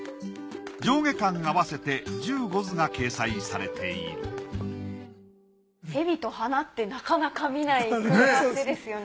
上下巻合わせて１５図が掲載されているへびと花ってなかなか見ない組み合わせですよね。